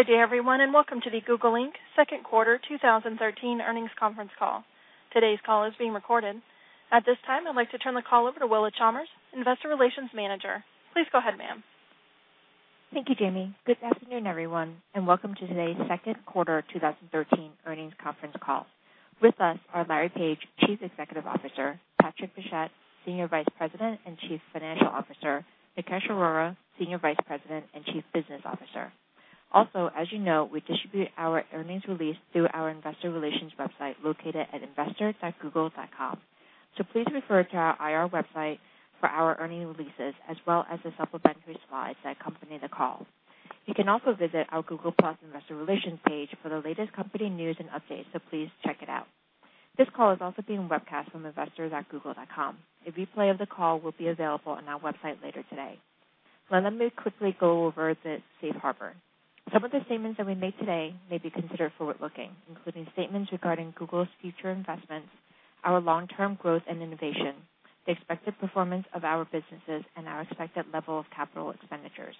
Good day, everyone, and welcome to the Google Inc Second Quarter 2013 Earnings Conference Call. Today's call is being recorded. At this time, I'd like to turn the call over to Willa Chalmers, Investor Relations Manager. Please go ahead, ma'am. Thank you, Jamie. Good afternoon, everyone, and welcome to today's Second Quarter 2013 Earnings Conference Call. With us are Larry Page, Chief Executive Officer, Patrick Pichette, Senior Vice President and Chief Financial Officer, Nikesh Arora, Senior Vice President and Chief Business Officer. Also, as you know, we distribute our earnings release through our Investor Relations website located at investor.google.com. So please refer to our IR website for our earnings releases, as well as the supplementary slides that accompany the call. You can also visit our Google+ Investor Relations page for the latest company news and updates, so please check it out. This call is also being webcast from investor.google.com. A replay of the call will be available on our website later today. Let me quickly go over the safe harbor. Some of the statements that we made today may be considered forward-looking, including statements regarding Google's future investments, our long-term growth and innovation, the expected performance of our businesses, and our expected level of capital expenditures.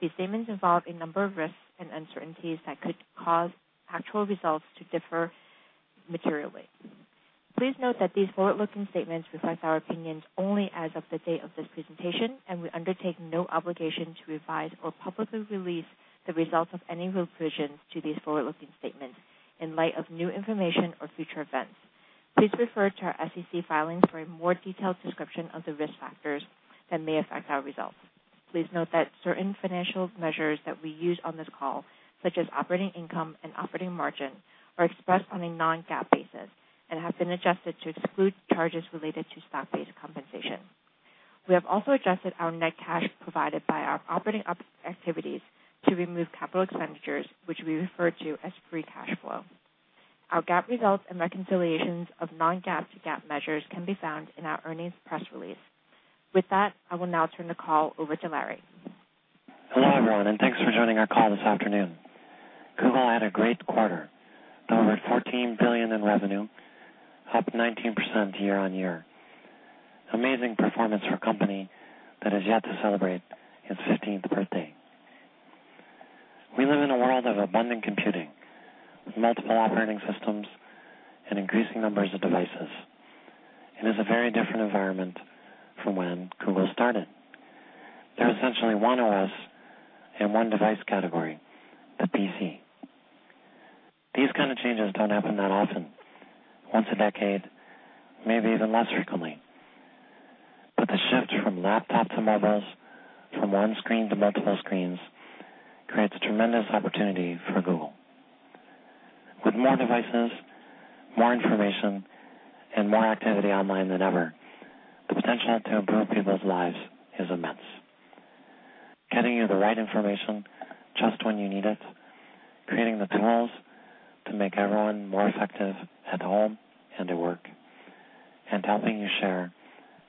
These statements involve a number of risks and uncertainties that could cause actual results to differ materially. Please note that these forward-looking statements reflect our opinions only as of the date of this presentation, and we undertake no obligation to revise or publicly release the results of any revisions to these forward-looking statements in light of new information or future events. Please refer to our SEC filings for a more detailed description of the risk factors that may affect our results. Please note that certain financial measures that we use on this call, such as operating income and operating margin, are expressed on a non-GAAP basis and have been adjusted to exclude charges related to stock-based compensation. We have also adjusted our net cash provided by our operating activities to remove capital expenditures, which we refer to as free cash flow. Our GAAP results and reconciliations of non-GAAP to GAAP measures can be found in our earnings press release. With that, I will now turn the call over to Larry. Hello, everyone, and thanks for joining our call this afternoon. Google had a great quarter. They were at $14 billion in revenue, up 19% year-on-year. Amazing performance for a company that has yet to celebrate its 15th birthday. We live in a world of abundant computing, multiple operating systems, and increasing numbers of devices. It is a very different environment from when Google started. There was essentially one OS and one device category, the PC. These kinds of changes don't happen that often, once a decade, maybe even less frequently. But the shift from laptops to mobiles, from one screen to multiple screens, creates a tremendous opportunity for Google. With more devices, more information, and more activity online than ever, the potential to improve people's lives is immense. Getting you the right information just when you need it, creating the tools to make everyone more effective at home and at work, and helping you share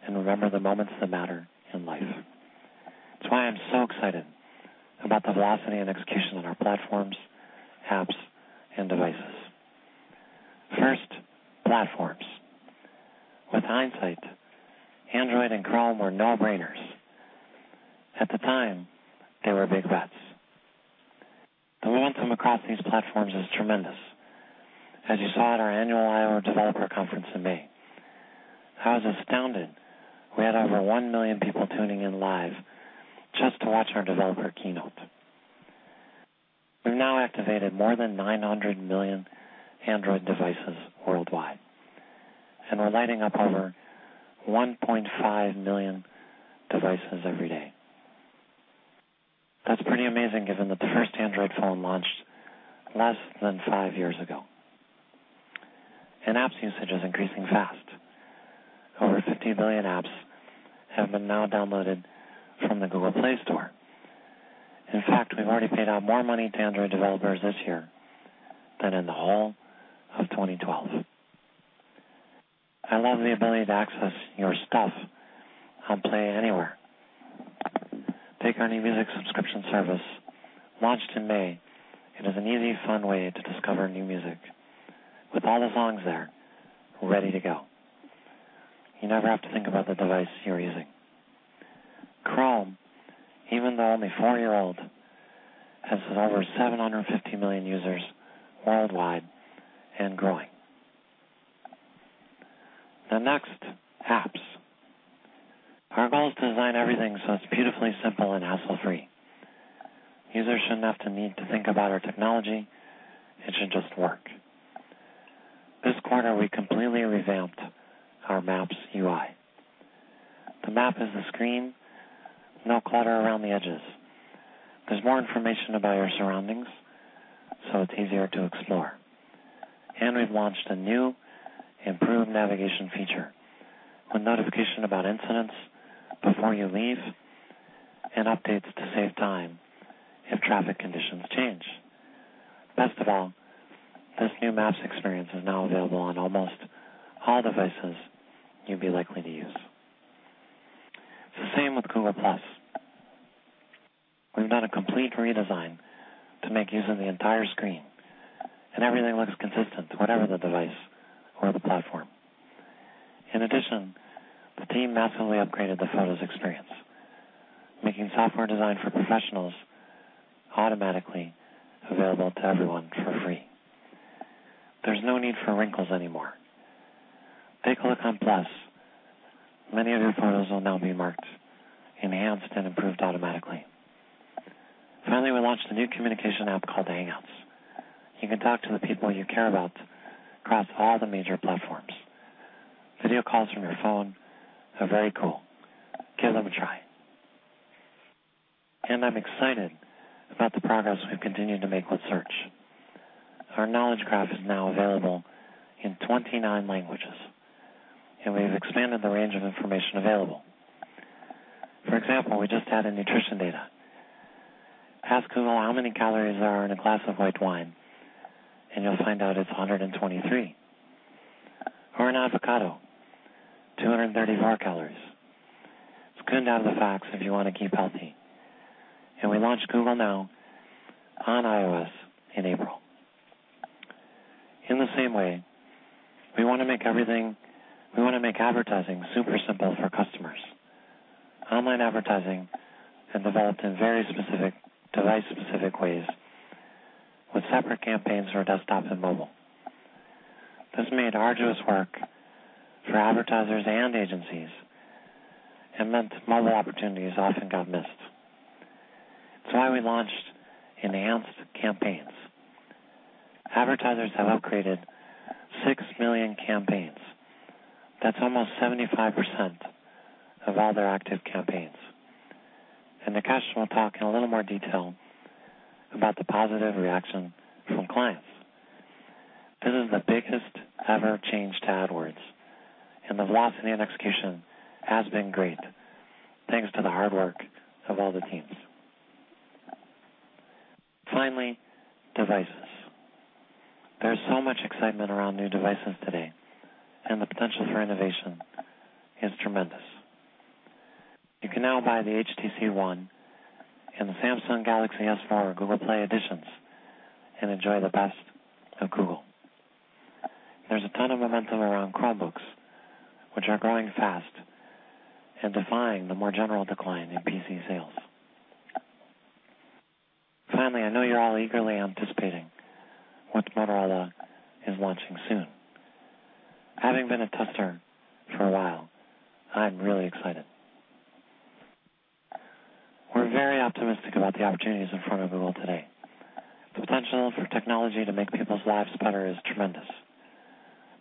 and remember the moments that matter in life. That's why I'm so excited about the velocity and execution on our platforms, apps, and devices. First, platforms. With hindsight, Android and Chrome were no-brainers. At the time, they were big bets. The momentum across these platforms is tremendous. As you saw at our annual I/O Developer Conference in May, I was astounded. We had over one million people tuning in live just to watch our developer keynote. We've now activated more than 900 million Android devices worldwide, and we're lighting up over 1.5 million devices every day. That's pretty amazing given that the first Android phone launched less than five years ago, and apps usage is increasing fast. Over 50 million apps have been now downloaded from the Google Play Store. In fact, we've already paid out more money to Android developers this year than in the whole of 2012. I love the ability to access your stuff on Play anywhere. Pick on your music subscription service. Launched in May, it is an easy, fun way to discover new music with all the songs there, ready to go. You never have to think about the device you're using. Chrome, even though only four years old, has over 750 million users worldwide and growing. The next, apps. Our goal is to design everything so it's beautifully simple and hassle-free. Users shouldn't have to need to think about our technology. It should just work. This quarter, we completely revamped our Maps UI. The map is the screen, no clutter around the edges. There's more information about your surroundings, so it's easier to explore. We've launched a new, improved navigation feature with notification about incidents before you leave and updates to save time if traffic conditions change. Best of all, this new Maps experience is now available on almost all devices you'd be likely to use. It's the same with Google+. We've done a complete redesign to make use of the entire screen, and everything looks consistent wherever the device or the platform. In addition, the team massively upgraded the photos experience, making software designed for professionals automatically available to everyone for free. There's no need for wrinkles anymore. [In Google+], many of your photos will now be marked, enhanced, and improved automatically. Finally, we launched a new communication app called Hangouts. You can talk to the people you care about across all the major platforms. Video calls from your phone are very cool. Give them a try. I'm excited about the progress we've continued to make with Search. Our Knowledge Graph is now available in 29 languages, and we've expanded the range of information available. For example, we just added nutrition data. Ask Google how many calories there are in a glass of white wine, and you'll find out it's 123. Or an avocado, 234 calories. It's [spoon down] the facts if you want to keep healthy. We launched Google Now on iOS in April. In the same way, we want to make everything we want to make advertising super simple for customers. Online advertising and developed in very specific, device-specific ways with separate campaigns for desktop and mobile. This made arduous work for advertisers and agencies and meant mobile opportunities often got missed. It's why we launched Enhanced Campaigns. Advertisers have upgraded six million campaigns. That's almost 75% of all their active campaigns. And Nikesh will talk in a little more detail about the positive reaction from clients. This is the biggest ever change to AdWords, and the velocity and execution has been great thanks to the hard work of all the teams. Finally, devices. There's so much excitement around new devices today, and the potential for innovation is tremendous. You can now buy the HTC One and the Samsung Galaxy S4 Google Play Editions and enjoy the best of Google. There's a ton of momentum around Chromebooks, which are growing fast and defying the more general decline in PC sales. Finally, I know you're all eagerly anticipating what Motorola is launching soon. Having been a tester for a while, I'm really excited. We're very optimistic about the opportunities in front of Google today. The potential for technology to make people's lives better is tremendous.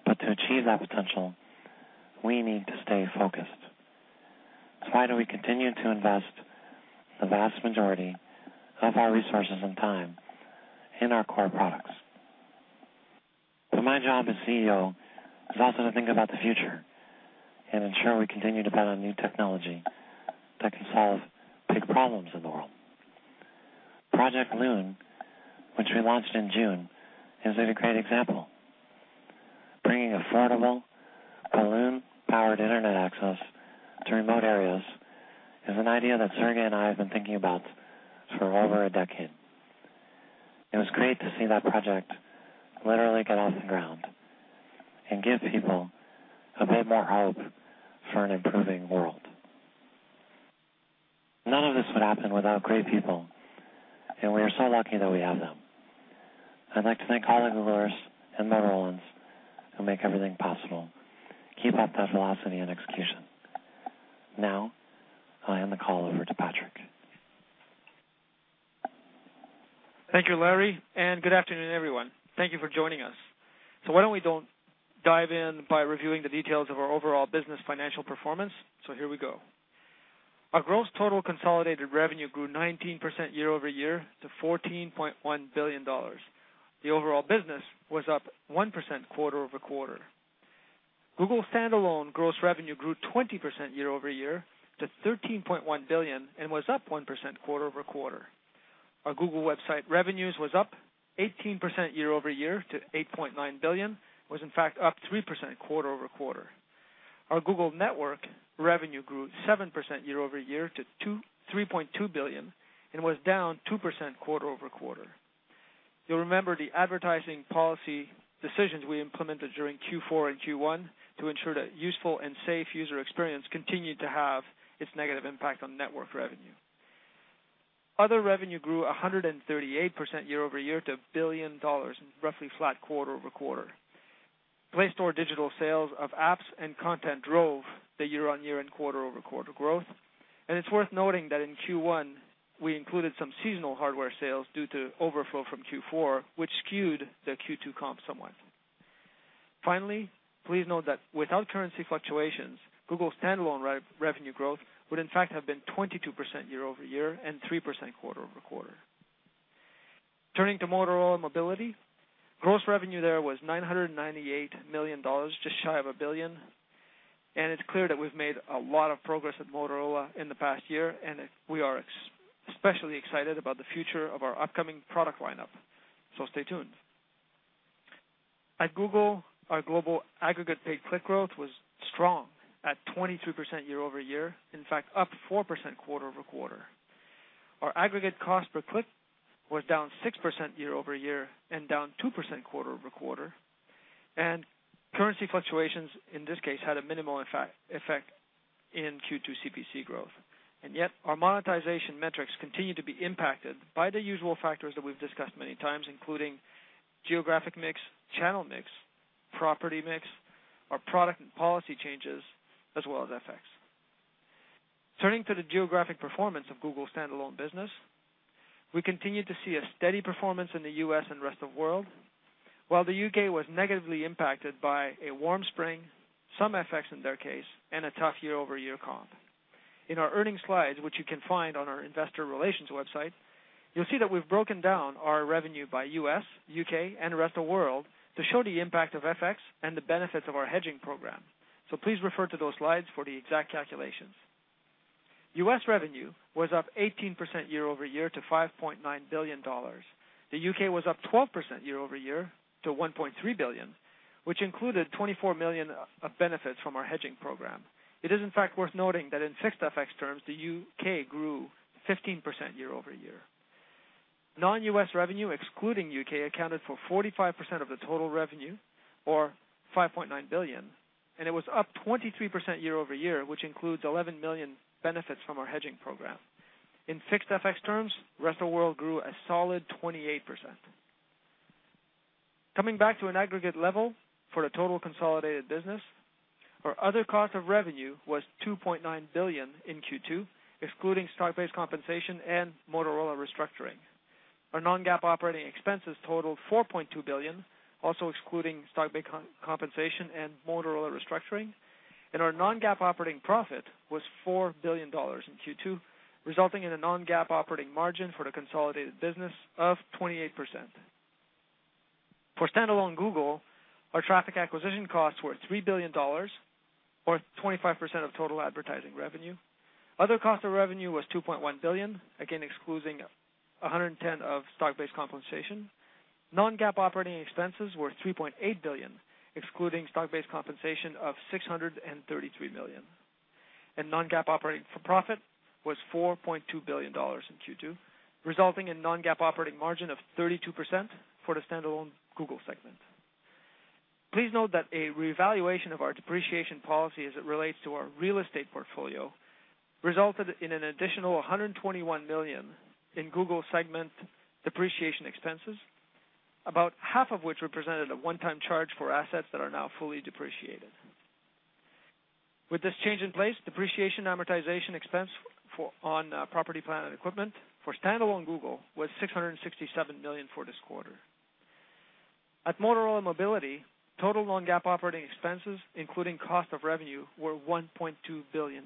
But to achieve that potential, we need to stay focused. That's why we continue to invest the vast majority of our resources and time in our core products. But my job as CEO is also to think about the future and ensure we continue to bet on new technology that can solve big problems in the world. Project Loon, which we launched in June, is a great example. Bringing affordable balloon-powered internet access to remote areas is an idea that Sergey and I have been thinking about for over a decade. It was great to see that project literally get off the ground and give people a bit more hope for an improving world. None of this would happen without great people, and we are so lucky that we have them. I'd like to thank all the Googlers and Motorolans who make everything possible. Keep up that velocity and execution. Now, I'll hand the call over to Patrick. Thank you, Larry. And good afternoon, everyone. Thank you for joining us. So why don't we dive in by reviewing the details of our overall business financial performance? So here we go. Our gross total consolidated revenue grew 19% year-over-year to $14.1 billion. The overall business was up 1% quarter-over-quarter. Google standalone gross revenue grew 20% year-over-year to $13.1 billion and was up 1% quarter-over-quarter. Our Google website revenues was up 18% year-over-year to $8.9 billion, was in fact up 3% quarter-over-quarter. Our Google Network revenue grew 7% year-over-year to $3.2 billion and was down 2% quarter-over-quarter. You'll remember the advertising policy decisions we implemented during Q4 and Q1 to ensure that useful and safe user experience continued to have its negative impact on network revenue. Other revenue grew 138% year-over-year to $1 billion, roughly flat quarter-over-quarter. Play Store digital sales of apps and content drove the year-on-year and quarter-over-quarter growth. And it's worth noting that in Q1, we included some seasonal hardware sales due to overflow from Q4, which skewed the Q2 comp somewhat. Finally, please note that without currency fluctuations, Google standalone revenue growth would in fact have been 22% year-over-year and 3% quarter-over-quarter. Turning to Motorola Mobility, gross revenue there was $998 million, just shy of a billion. And it's clear that we've made a lot of progress at Motorola in the past year, and we are especially excited about the future of our upcoming product lineup. So stay tuned. At Google, our global aggregate paid click growth was strong at 23% year-over-year, in fact up 4% quarter-over-quarter. Our aggregate cost per click was down 6% year-over-year and down 2% quarter-over-quarter. And currency fluctuations in this case had a minimal effect in Q2 CPC growth. And yet, our monetization metrics continue to be impacted by the usual factors that we've discussed many times, including geographic mix, channel mix, property mix, our product and policy changes, as well as effects. Turning to the geographic performance of Google standalone business, we continue to see a steady performance in the U.S. and rest of the world, while the U.K. was negatively impacted by a warm spring, some effects in their case, and a tough year-over-year comp. In our earnings slides, which you can find on our Investor Relations website, you'll see that we've broken down our revenue by U.S., U.K., and rest of the world to show the impact of FX effects and the benefits of our hedging program. So please refer to those slides for the exact calculations. U.S. revenue was up 18% year-over-year to $5.9 billion. The U.K. was up 12% year-over-year to $1.3 billion, which included $24 million of benefits from our hedging program. It is in fact worth noting that in FX effects terms, the U.K. grew 15% year-over-year. Non-U.S. revenue, excluding U.K., accounted for 45% of the total revenue, or $5.9 billion, and it was up 23% year-over-year, which includes $11 million benefits from our hedging program. In FX effects terms, rest of the world grew a solid 28%. Coming back to an aggregate level for the total consolidated business, our other cost of revenue was $2.9 billion in Q2, excluding stock-based compensation and Motorola restructuring. Our non-GAAP operating expenses totaled $4.2 billion, also excluding stock-based compensation and Motorola restructuring. And our non-GAAP operating profit was $4 billion in Q2, resulting in a non-GAAP operating margin for the consolidated business of 28%. For standalone Google, our traffic acquisition costs were $3 billion, or 25% of total advertising revenue. Other cost of revenue was $2.1 billion, again excluding $110 of stock-based compensation. Non-GAAP operating expenses were $3.8 billion, excluding stock-based compensation of $633 million. And non-GAAP operating profit was $4.2 billion in Q2, resulting in a non-GAAP operating margin of 32% for the standalone Google segment. Please note that a reevaluation of our depreciation policy as it relates to our real estate portfolio resulted in an additional $121 million in Google segment depreciation expenses, about half of which represented a one-time charge for assets that are now fully depreciated. With this change in place, depreciation amortization expense on property, plant, and equipment for standalone Google was $667 million for this quarter. At Motorola Mobility, total non-GAAP operating expenses, including cost of revenue, were $1.2 billion.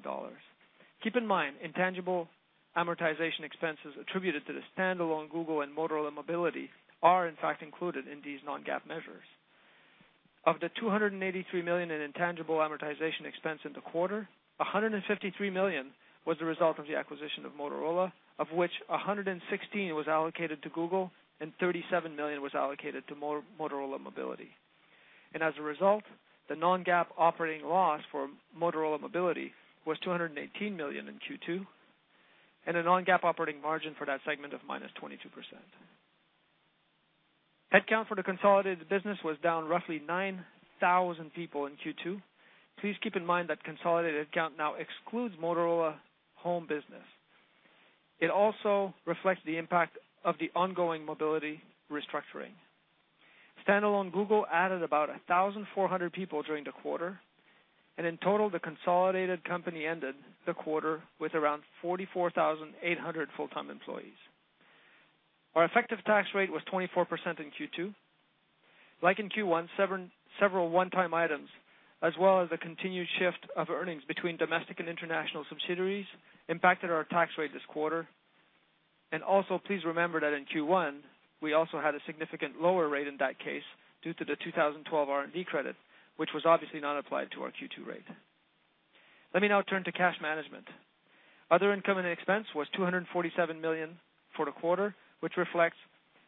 Keep in mind, intangible amortization expenses attributed to the standalone Google and Motorola Mobility are in fact included in these non-GAAP measures. Of the $283 million in intangible amortization expense in the quarter, $153 million was the result of the acquisition of Motorola, of which $116 million was allocated to Google and $37 million was allocated to Motorola Mobility. As a result, the non-GAAP operating loss for Motorola Mobility was $218 million in Q2, and a non-GAAP operating margin for that segment of -22%. Headcount for the consolidated business was down roughly 9,000 people in Q2. Please keep in mind that consolidated headcount now excludes Motorola Home business. It also reflects the impact of the ongoing mobility restructuring. Standalone Google added about 1,400 people during the quarter. And in total, the consolidated company ended the quarter with around 44,800 full-time employees. Our effective tax rate was 24% in Q2. Like in Q1, several one-time items, as well as the continued shift of earnings between domestic and international subsidiaries, impacted our tax rate this quarter. And also, please remember that in Q1, we also had a significant lower rate in that case due to the 2012 R&D credit, which was obviously not applied to our Q2 rate. Let me now turn to cash management. Other income and expense was $247 million for the quarter, which reflects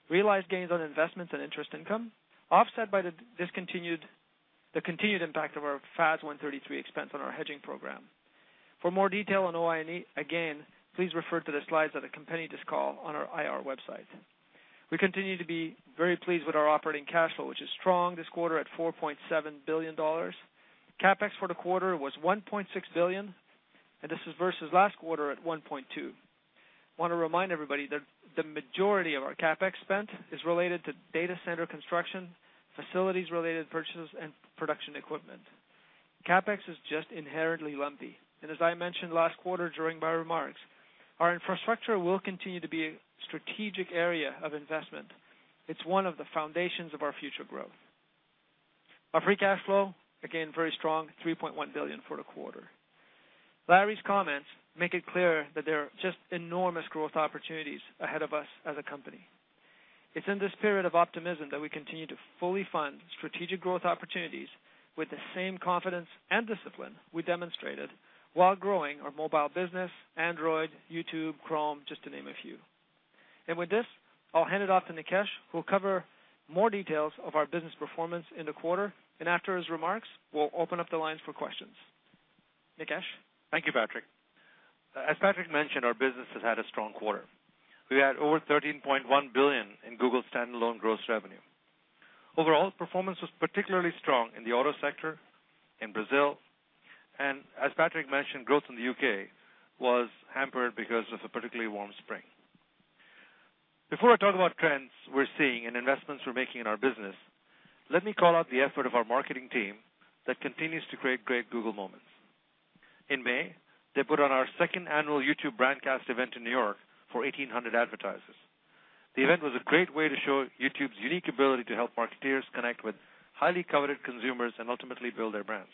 realized gains on investments and interest income, offset by the continued impact of our FAS 133 expense on our hedging program. For more detail on OI&E, again, please refer to the slides that accompany this call on our IR website. We continue to be very pleased with our operating cash flow, which is strong this quarter at $4.7 billion. CapEx for the quarter was $1.6 billion, and this is versus last quarter at $1.2 billion. I want to remind everybody that the majority of our CapEx spent is related to data center construction, facilities-related purchases, and production equipment. CapEx is just inherently lumpy, and as I mentioned last quarter during my remarks, our infrastructure will continue to be a strategic area of investment. It's one of the foundations of our future growth. Our free cash flow, again, very strong, $3.1 billion for the quarter. Larry's comments make it clear that there are just enormous growth opportunities ahead of us as a company. It's in this period of optimism that we continue to fully fund strategic growth opportunities with the same confidence and discipline we demonstrated while growing our mobile business, Android, YouTube, Chrome, just to name a few. And with this, I'll hand it off to Nikesh, who will cover more details of our business performance in the quarter. And after his remarks, we'll open up the lines for questions. Nikesh. Thank you, Patrick. As Patrick mentioned, our business has had a strong quarter. We had over $13.1 billion in Google standalone gross revenue. Overall, performance was particularly strong in the auto sector, in Brazil. And as Patrick mentioned, growth in the U.K. was hampered because of a particularly warm spring. Before I talk about trends we're seeing and investments we're making in our business, let me call out the effort of our marketing team that continues to create great Google moments. In May, they put on our second annual YouTube Brandcast event in New York for 1,800 advertisers. The event was a great way to show YouTube's unique ability to help marketeers connect with highly coveted consumers and ultimately build their brands.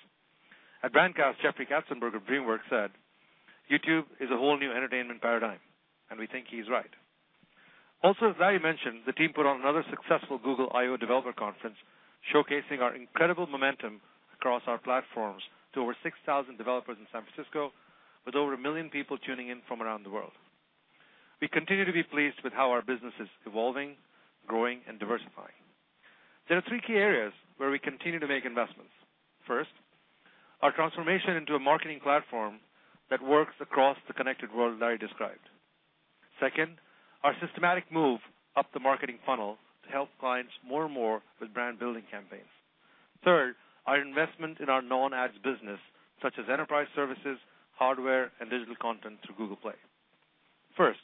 At Brandcast, Jeffrey Katzenberg of DreamWorks said, "YouTube is a whole new entertainment paradigm." And we think he's right. Also, as Larry mentioned, the team put on another successful Google I/O developer conference, showcasing our incredible momentum across our platforms to over 6,000 developers in San Francisco, with over a million people tuning in from around the world. We continue to be pleased with how our business is evolving, growing, and diversifying. There are three key areas where we continue to make investments. First, our transformation into a marketing platform that works across the connected world Larry described. Second, our systematic move up the marketing funnel to help clients more and more with brand-building campaigns. Third, our investment in our non-ads business, such as enterprise services, hardware, and digital content through Google Play. First,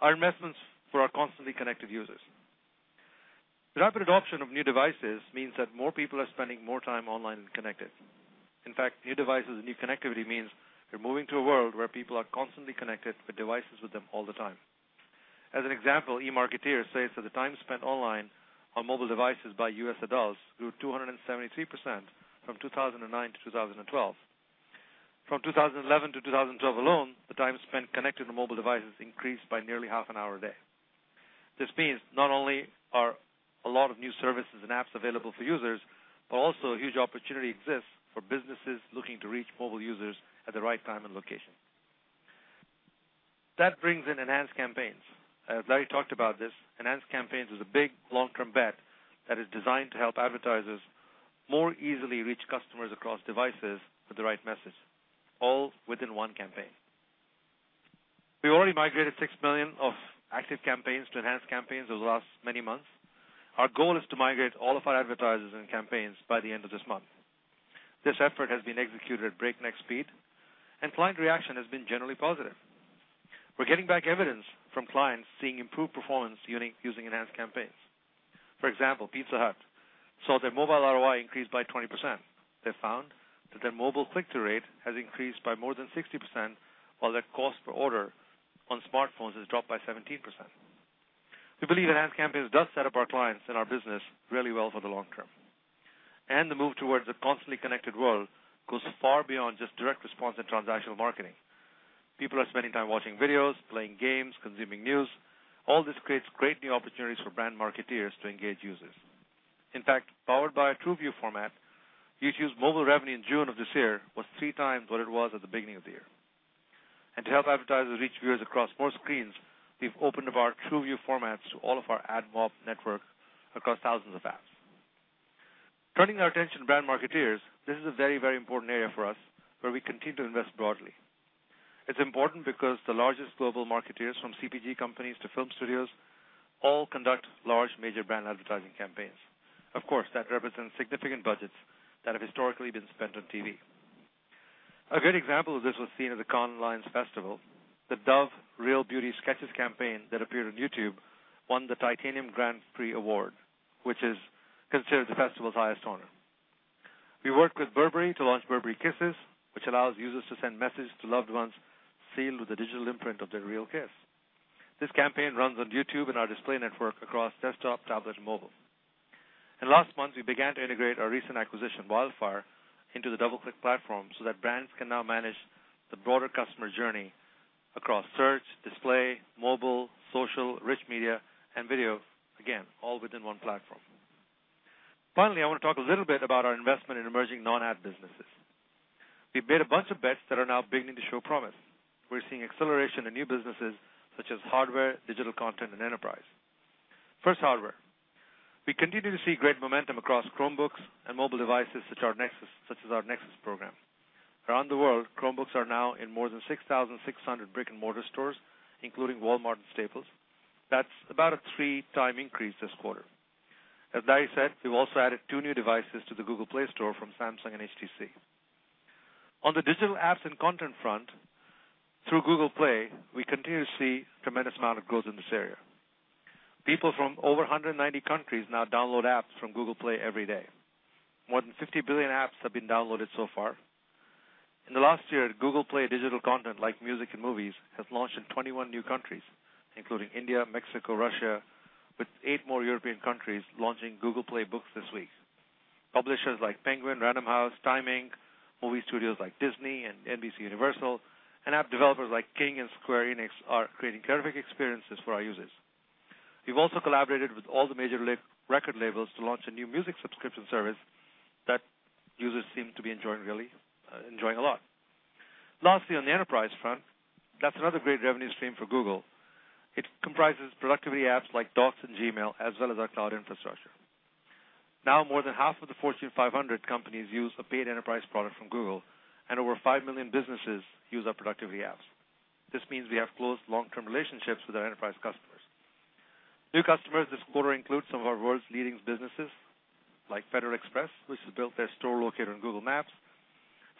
our investments for our constantly connected users. Rapid adoption of new devices means that more people are spending more time online and connected. In fact, new devices and new connectivity means we're moving to a world where people are constantly connected with devices with them all the time. As an example, eMarketer says that the time spent online on mobile devices by U.S. adults grew 273% from 2009 to 2012. From 2011 to 2012 alone, the time spent connected on mobile devices increased by nearly half an hour a day. This means not only are a lot of new services and apps available for users, but also a huge opportunity exists for businesses looking to reach mobile users at the right time and location. That brings in Enhanced Campaigns. As Larry talked about this, Enhanced Campaigns is a big, long-term bet that is designed to help advertisers more easily reach customers across devices with the right message, all within one campaign. We already migrated six million of active campaigns to Enhanced Campaigns over the last many months. Our goal is to migrate all of our advertisers and campaigns by the end of this month. This effort has been executed at breakneck speed, and client reaction has been generally positive. We're getting back evidence from clients seeing improved performance using Enhanced Campaigns. For example, Pizza Hut saw their mobile ROI increase by 20%. They found that their mobile click-through rate has increased by more than 60%, while their cost per order on smartphones has dropped by 17%. We believe Enhanced Campaigns do set up our clients and our business really well for the long term. And the move towards a constantly connected world goes far beyond just direct response and transactional marketing. People are spending time watching videos, playing games, consuming news. All this creates great new opportunities for brand marketers to engage users. In fact, powered by a TrueView format, YouTube's mobile revenue in June of this year was three times what it was at the beginning of the year, and to help advertisers reach viewers across more screens, we've opened up our TrueView formats to all of our AdMob network across thousands of apps. Turning our attention to brand marketers, this is a very, very important area for us where we continue to invest broadly. It's important because the largest global marketers, from CPG companies to film studios, all conduct large, major brand advertising campaigns. Of course, that represents significant budgets that have historically been spent on TV. A great example of this was seen at the Cannes Lions Festival. The Dove Real Beauty Sketches campaign that appeared on YouTube won the Titanium Grand Prix award, which is considered the festival's highest honor. We worked with Burberry to launch Burberry Kisses, which allows users to send messages to loved ones sealed with a digital imprint of their real kiss. This campaign runs on YouTube and our display network across desktop, tablet, and mobile. Last month, we began to integrate our recent acquisition, Wildfire, into the DoubleClick platform so that brands can now manage the broader customer journey across search, display, mobile, social, rich media, and video, again, all within one platform. Finally, I want to talk a little bit about our investment in emerging non-ad businesses. We've made a bunch of bets that are now beginning to show promise. We're seeing acceleration in new businesses such as hardware, digital content, and enterprise. First, hardware. We continue to see great momentum across Chromebooks and mobile devices such as our Nexus program. Around the world, Chromebooks are now in more than 6,600 brick-and-mortar stores, including Walmart and Staples. That's about a three-time increase this quarter. As Larry said, we've also added two new devices to the Google Play Store from Samsung and HTC. On the digital apps and content front, through Google Play, we continue to see a tremendous amount of growth in this area. People from over 190 countries now download apps from Google Play every day. More than 50 billion apps have been downloaded so far. In the last year, Google Play digital content, like music and movies, has launched in 21 new countries, including India, Mexico, Russia, with eight more European countries launching Google Play Books this week. Publishers like Penguin, Random House, Time Inc, movie studios like Disney and NBCUniversal, and app developers like King and Square Enix are creating terrific experiences for our users. We've also collaborated with all the major record labels to launch a new music subscription service that users seem to be enjoying a lot. Lastly, on the enterprise front, that's another great revenue stream for Google. It comprises productivity apps like Docs and Gmail, as well as our cloud infrastructure. Now, more than half of the Fortune 500 companies use a paid enterprise product from Google, and over 5 million businesses use our productivity apps. This means we have close long-term relationships with our enterprise customers. New customers this quarter include some of our world's leading businesses, like Federal Express, which has built their store locator on Google Maps,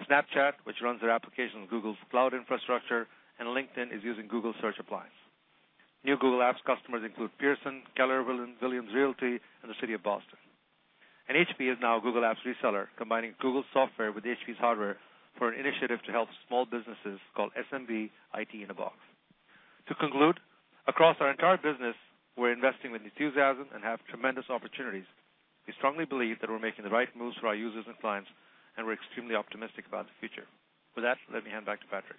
Snapchat, which runs their application on Google's cloud infrastructure, and LinkedIn is using Google Search Appliance. New Google Apps customers include Pearson, Keller Williams Realty, and the City of Boston. HP is now a Google Apps reseller, combining Google's software with HP's hardware for an initiative to help small businesses called SMB IT in a Box. To conclude, across our entire business, we're investing with enthusiasm and have tremendous opportunities. We strongly believe that we're making the right moves for our users and clients, and we're extremely optimistic about the future. With that, let me hand back to Patrick.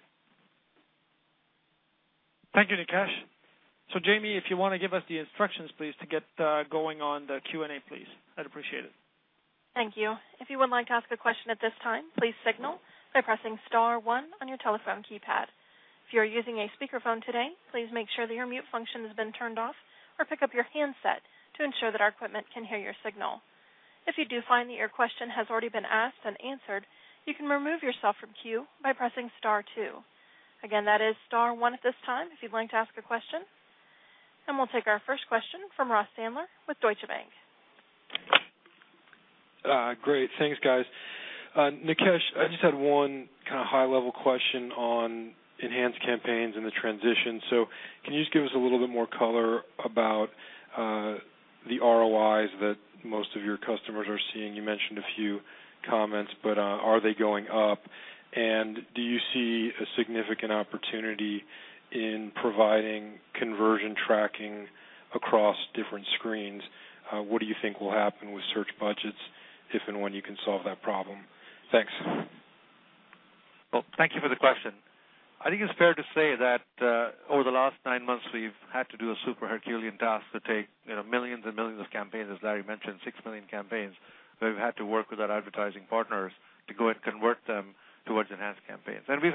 Thank you, Nikesh. Jamie, if you want to give us the instructions, please, to get going on the Q&A, please. I'd appreciate it. Thank you. If you would like to ask a question at this time, please signal by pressing star one on your telephone keypad. If you are using a speakerphone today, please make sure that your mute function has been turned off, or pick up your handset to ensure that our equipment can hear your signal. If you do find that your question has already been asked and answered, you can remove yourself from queue by pressing star two. Again, that is star one at this time if you'd like to ask a question. And we'll take our first question from Ross Sandler with Deutsche Bank. Great. Thanks, guys. Nikesh, I just had one kind of high-level question on Enhanced Campaigns and the transition. So can you just give us a little bit more color about the ROIs that most of your customers are seeing? You mentioned a few comments, but are they going up? And do you see a significant opportunity in providing conversion tracking across different screens? What do you think will happen with search budgets if and when you can solve that problem? Thanks. Thank you for the question. I think it's fair to say that over the last nine months, we've had to do a super herculean task to take millions and millions of campaigns, as Larry mentioned, six million campaigns. We've had to work with our advertising partners to go and convert them towards Enhanced Campaigns. We've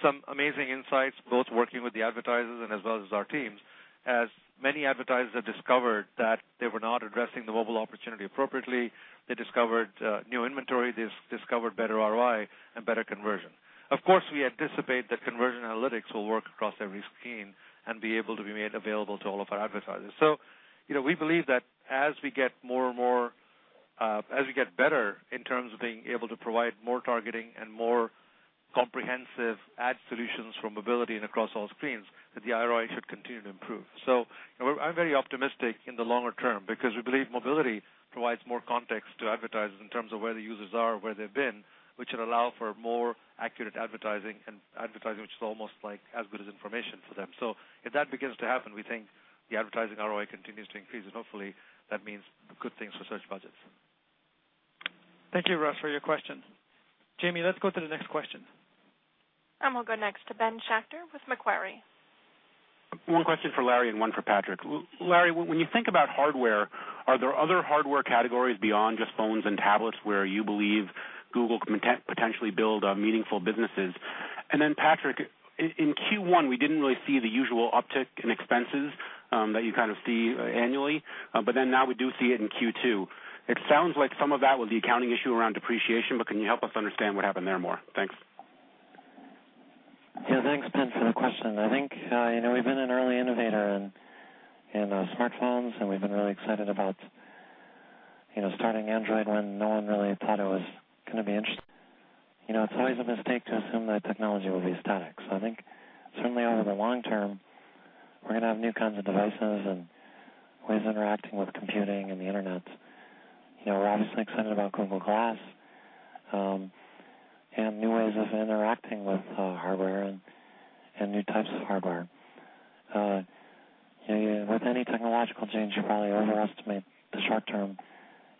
had some amazing insights, both working with the advertisers and as well as our teams, as many advertisers have discovered that they were not addressing the mobile opportunity appropriately. They discovered new inventory. They discovered better ROI and better conversion. Of course, we anticipate that conversion analytics will work across every screen and be able to be made available to all of our advertisers. So we believe that as we get better in terms of being able to provide more targeting and more comprehensive ad solutions for mobility and across all screens, that the ROI should continue to improve. So I'm very optimistic in the longer term because we believe mobility provides more context to advertisers in terms of where the users are, where they've been, which will allow for more accurate advertising, which is almost like as good as information for them. So if that begins to happen, we think the advertising ROI continues to increase, and hopefully, that means good things for search budgets. Thank you, Ross, for your question. Jamie, let's go to the next question. We'll go next to Ben Schachter with Macquarie. One question for Larry and one for Patrick. Larry, when you think about hardware, are there other hardware categories beyond just phones and tablets where you believe Google can potentially build meaningful businesses? And then, Patrick, in Q1, we didn't really see the usual uptick in expenses that you kind of see annually, but then now we do see it in Q2. It sounds like some of that was the accounting issue around depreciation, but can you help us understand what happened there more? Thanks. Yeah, thanks, Ben, for the question. I think we've been an early innovator in smartphones, and we've been really excited about starting Android when no one really thought it was going to be interesting. It's always a mistake to assume that technology will be static. So I think certainly over the long term, we're going to have new kinds of devices and ways of interacting with computing and the internet. We're obviously excited about Google Glass and new ways of interacting with hardware and new types of hardware. With any technological change, you probably overestimate the short term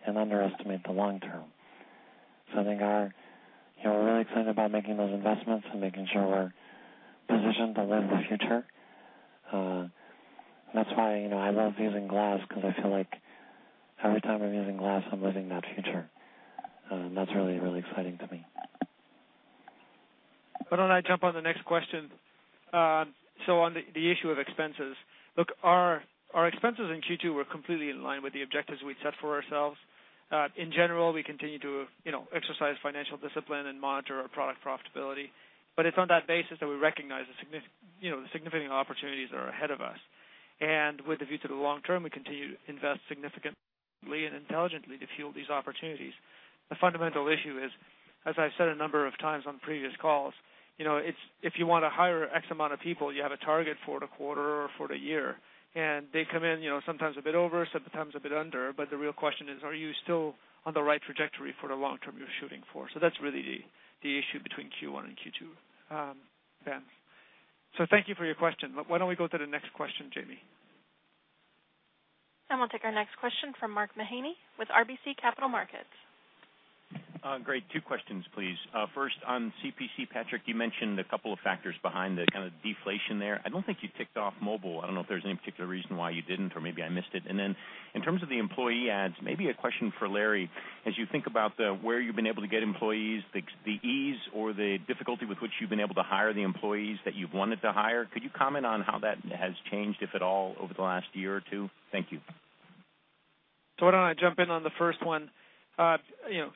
and underestimate the long term. So I think we're really excited about making those investments and making sure we're positioned to live the future. That's why I love using Glass, because I feel like every time I'm using Glass, I'm living that future. That's really, really exciting to me. Why don't I jump on the next question? So on the issue of expenses, look, our expenses in Q2 were completely in line with the objectives we'd set for ourselves. In general, we continue to exercise financial discipline and monitor our product profitability. But it's on that basis that we recognize the significant opportunities that are ahead of us. And with a view to the long term, we continue to invest significantly and intelligently to fuel these opportunities. The fundamental issue is, as I've said a number of times on previous calls, if you want to hire X amount of people, you have a target for the quarter or for the year. And they come in sometimes a bit over, sometimes a bit under, but the real question is, are you still on the right trajectory for the long term you're shooting for? So that's really the issue between Q1 and Q2, Ben. So thank you for your question. Why don't we go to the next question, Jamie? We'll take our next question from Mark Mahaney with RBC Capital Markets. Great. Two questions, please. First, on CPC, Patrick, you mentioned a couple of factors behind the kind of deflation there. I don't think you ticked off mobile. I don't know if there's any particular reason why you didn't, or maybe I missed it. And then in terms of the employee adds, maybe a question for Larry. As you think about where you've been able to get employees, the ease or the difficulty with which you've been able to hire the employees that you've wanted to hire, could you comment on how that has changed, if at all, over the last year or two? Thank you. So why don't I jump in on the first one?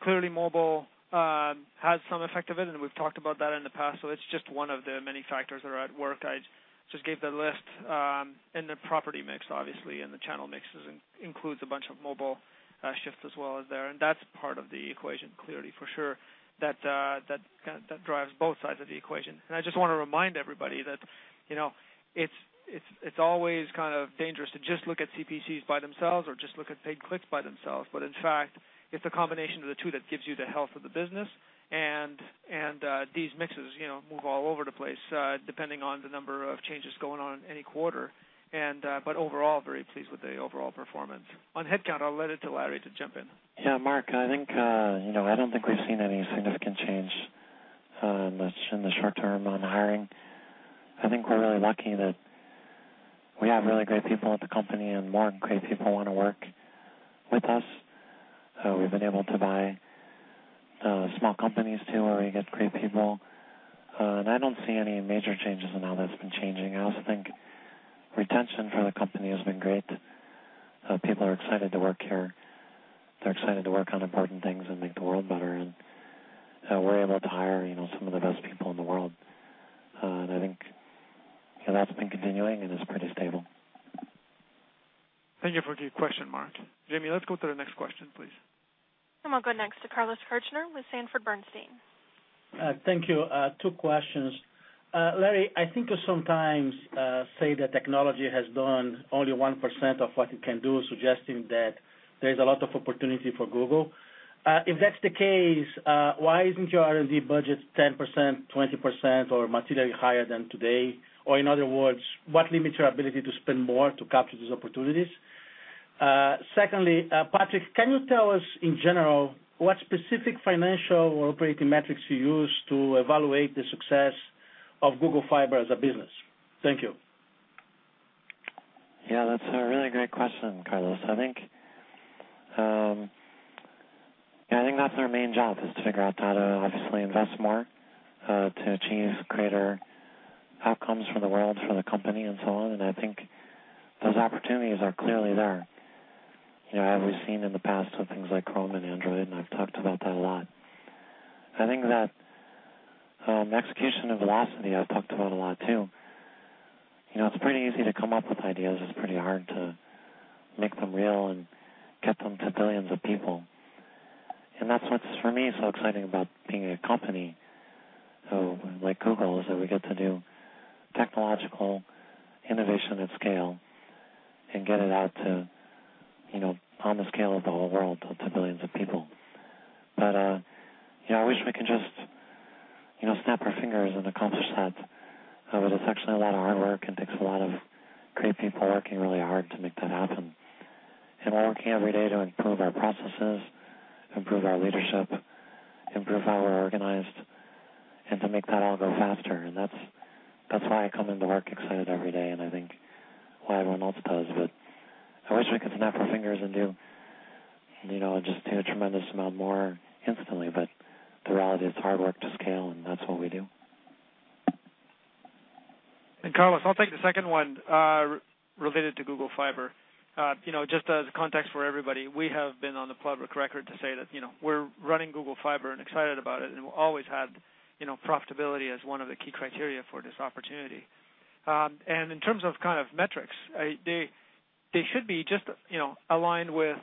Clearly, mobile has some effect of it, and we've talked about that in the past. So it's just one of the many factors that are at work. I just gave the list in the property mix, obviously, and the channel mixes includes a bunch of mobile shifts as well as there. And that's part of the equation, clearly, for sure, that drives both sides of the equation. And I just want to remind everybody that it's always kind of dangerous to just look at CPCs by themselves or just look at paid clicks by themselves. But in fact, it's a combination of the two that gives you the health of the business. And these mixes move all over the place depending on the number of changes going on any quarter. But overall, very pleased with the overall performance. On headcount, I'll leave it to Larry to jump in. Yeah, Mark. I don't think we've seen any significant change in the short term on hiring. I think we're really lucky that we have really great people at the company, and more great people want to work with us. We've been able to buy small companies too, where we get great people. And I don't see any major changes in how that's been changing. I also think retention for the company has been great. People are excited to work here. They're excited to work on important things and make the world better. And we're able to hire some of the best people in the world. And I think that's been continuing, and it's pretty stable. Thank you for your question, Mark. Jamie, let's go to the next question, please. We'll go next to Carlos Kirjner with Sanford Bernstein. Thank you. Two questions. Larry, I think you sometimes say that technology has done only 1% of what it can do, suggesting that there is a lot of opportunity for Google. If that's the case, why isn't your R&D budget 10%, 20%, or materially higher than today? Or in other words, what limits your ability to spend more to capture these opportunities? Secondly, Patrick, can you tell us, in general, what specific financial or operating metrics you use to evaluate the success of Google Fiber as a business? Thank you. Yeah, that's a really great question, Carlos. I think that's our main job, is to figure out how to obviously invest more to achieve greater outcomes for the world, for the company, and so on. And I think those opportunities are clearly there. We've seen in the past with things like Chrome and Android, and I've talked about that a lot. I think that execution and velocity, I've talked about a lot too. It's pretty easy to come up with ideas. It's pretty hard to make them real and get them to billions of people. And that's what's, for me, so exciting about being a company like Google, is that we get to do technological innovation at scale and get it out on the scale of the whole world to billions of people. But I wish we could just snap our fingers and accomplish that, but it's actually a lot of hard work and takes a lot of great people working really hard to make that happen. And we're working every day to improve our processes, improve our leadership, improve how we're organized, and to make that all go faster. And that's why I come into work excited every day, and I think why everyone else does. But I wish we could snap our fingers and do just a tremendous amount more instantly. But the reality is hard work to scale, and that's what we do. And Carlos, I'll take the second one related to Google Fiber. Just as context for everybody, we have been on the public record to say that we're running Google Fiber and excited about it, and we've always had profitability as one of the key criteria for this opportunity. And in terms of kind of metrics, they should be just aligned with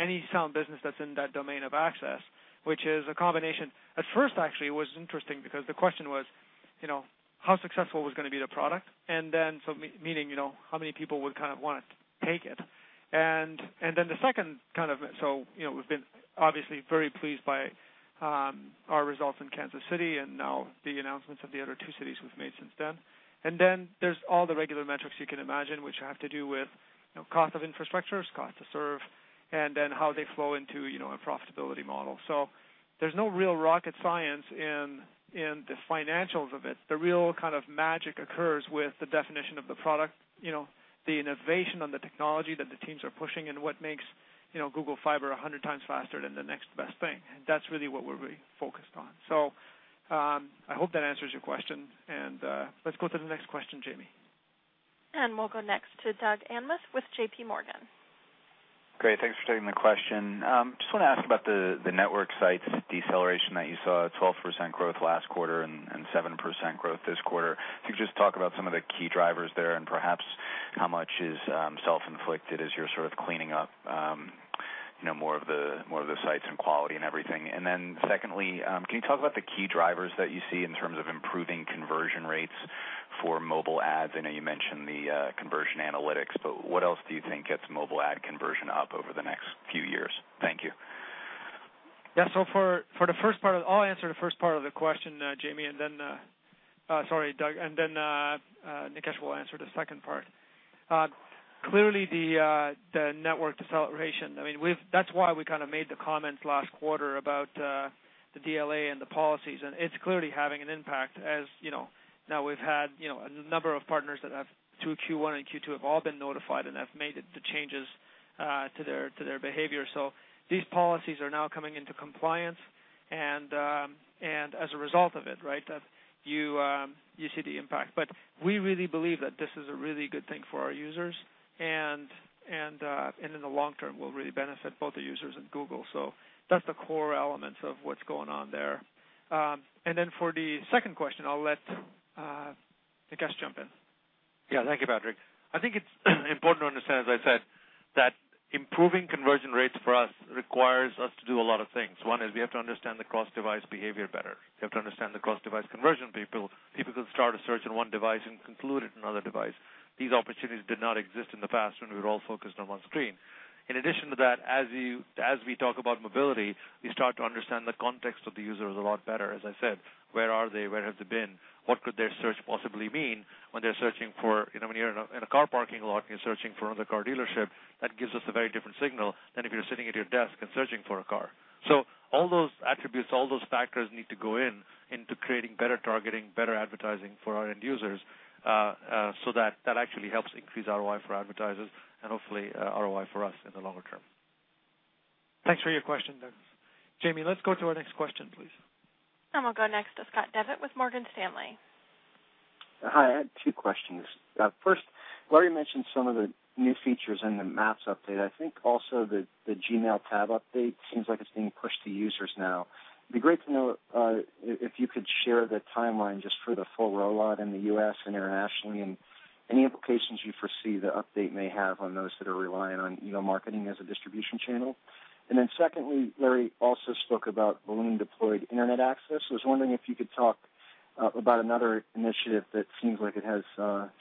any sound business that's in that domain of access, which is a combination. At first, actually, it was interesting because the question was, how successful was going to be the product? And then, so meaning how many people would kind of want to take it? And then the second kind of so we've been obviously very pleased by our results in Kansas City and now the announcements of the other two cities we've made since then. And then there's all the regular metrics you can imagine, which have to do with cost of infrastructure, cost to serve, and then how they flow into a profitability model. So there's no real rocket science in the financials of it. The real kind of magic occurs with the definition of the product, the innovation on the technology that the teams are pushing, and what makes Google Fiber 100x faster than the next best thing. That's really what we're really focused on. So I hope that answers your question. And let's go to the next question, Jamie. We'll go next to Doug Anmuth with JPMorgan. Great. Thanks for taking the question. Just want to ask about the network sites deceleration that you saw, 12% growth last quarter and 7% growth this quarter. If you could just talk about some of the key drivers there and perhaps how much is self-inflicted as you're sort of cleaning up more of the sites and quality and everything. And then secondly, can you talk about the key drivers that you see in terms of improving conversion rates for mobile ads? I know you mentioned the conversion analytics, but what else do you think gets mobile ad conversion up over the next few years? Thank you. Yeah, so for the first part, I'll answer the first part of the question, Jamie, and then sorry, Doug, and then Nikesh will answer the second part. Clearly, the network deceleration, I mean, that's why we kind of made the comments last quarter about the DLA and the policies. And it's clearly having an impact as now we've had a number of partners that have through Q1 and Q2 all been notified and have made the changes to their behavior. So these policies are now coming into compliance, and as a result of it, right, you see the impact. But we really believe that this is a really good thing for our users, and in the long term, will really benefit both the users and Google. So that's the core elements of what's going on there. And then for the second question, I'll let Nikesh jump in. Yeah, thank you, Patrick. I think it's important to understand, as I said, that improving conversion rates for us requires us to do a lot of things. One is we have to understand the cross-device behavior better. We have to understand the cross-device conversion people. People can start a search on one device and conclude it on another device. These opportunities did not exist in the past when we were all focused on one screen. In addition to that, as we talk about mobility, we start to understand the context of the user a lot better, as I said. Where are they? Where have they been? What could their search possibly mean when they're searching for, when you're in a car parking lot and you're searching for another car dealership? That gives us a very different signal than if you're sitting at your desk and searching for a car. All those attributes, all those factors need to go into creating better targeting, better advertising for our end users so that actually helps increase ROI for advertisers and hopefully ROI for us in the longer term. Thanks for your question, Doug. Jamie, let's go to our next question, please. We'll go next to Scott Devitt with Morgan Stanley. Hi, I had two questions. First, Larry mentioned some of the new features in the maps update. I think also the Gmail tab update seems like it's being pushed to users now. It'd be great to know if you could share the timeline just for the full rollout in the U.S. and internationally and any implications you foresee the update may have on those that are relying on email marketing as a distribution channel. And then secondly, Larry also spoke about balloon-deployed internet access. I was wondering if you could talk about another initiative that seems like it has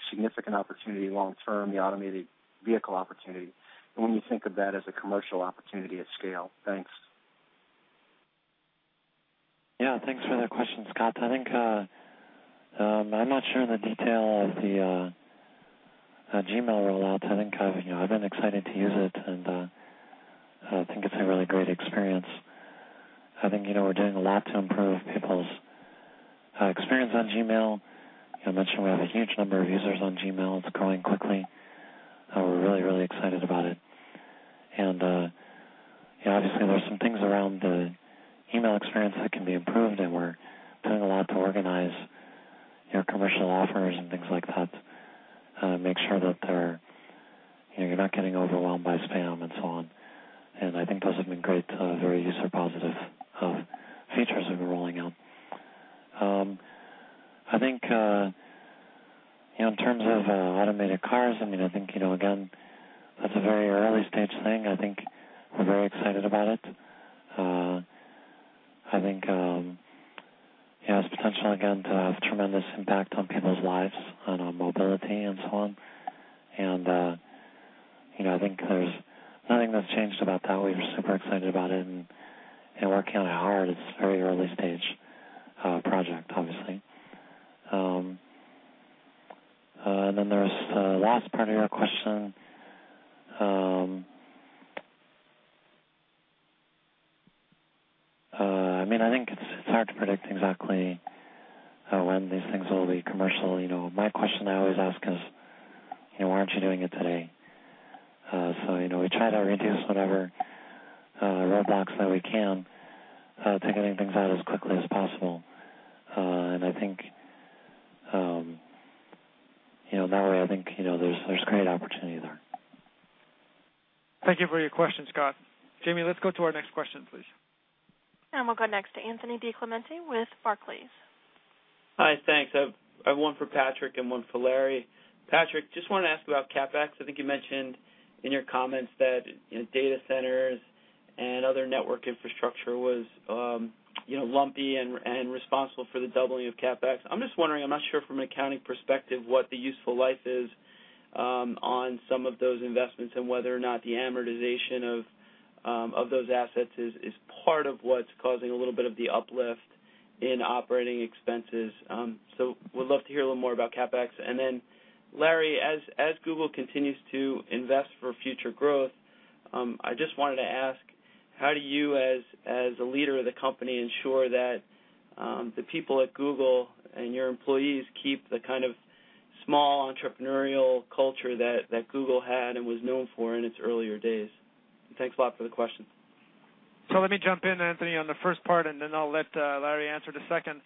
significant opportunity long term, the automated vehicle opportunity. And when you think of that as a commercial opportunity at scale. Thanks. Yeah, thanks for that question, Scott. I think I'm not sure in the detail of the Gmail rollout. I think I've been excited to use it, and I think it's a really great experience. I think we're doing a lot to improve people's experience on Gmail. I mentioned we have a huge number of users on Gmail. It's growing quickly. We're really, really excited about it. And obviously, there are some things around the email experience that can be improved, and we're doing a lot to organize commercial offers and things like that, make sure that you're not getting overwhelmed by spam and so on. And I think those have been great, very user-positive features we've been rolling out. I think in terms of automated cars, I mean, I think, again, that's a very early-stage thing. I think we're very excited about it. I think it has potential, again, to have tremendous impact on people's lives and on mobility and so on. And I think there's nothing that's changed about that. We were super excited about it, and we're kind of hard. It's a very early-stage project, obviously. And then there's the last part of your question. I mean, I think it's hard to predict exactly when these things will be commercial. My question I always ask is, why aren't you doing it today? So we try to reduce whatever roadblocks that we can to getting things out as quickly as possible. And I think that way, I think there's great opportunity there. Thank you for your question, Scott. Jamie, let's go to our next question, please. We'll go next to Anthony DiClemente with Barclays. Hi, thanks. I have one for Patrick and one for Larry. Patrick, just wanted to ask about CapEx. I think you mentioned in your comments that data centers and other network infrastructure was lumpy and responsible for the doubling of CapEx. I'm just wondering, I'm not sure from an accounting perspective what the useful life is on some of those investments and whether or not the amortization of those assets is part of what's causing a little bit of the uplift in operating expenses. So we'd love to hear a little more about CapEx. And then Larry, as Google continues to invest for future growth, I just wanted to ask, how do you, as a leader of the company, ensure that the people at Google and your employees keep the kind of small entrepreneurial culture that Google had and was known for in its earlier days? Thanks a lot for the question. So let me jump in, Anthony, on the first part, and then I'll let Larry answer the second.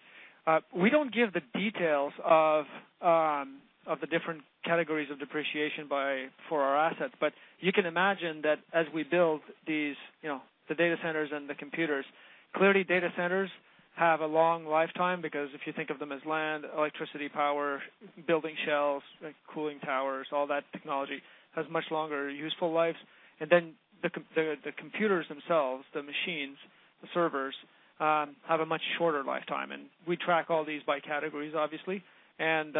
We don't give the details of the different categories of depreciation for our assets, but you can imagine that as we build the data centers and the computers, clearly data centers have a long lifetime because if you think of them as land, electricity, power, building shells, cooling towers, all that technology has much longer useful lives. And then the computers themselves, the machines, the servers, have a much shorter lifetime. And we track all these by categories, obviously. And